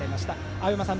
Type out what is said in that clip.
青山さん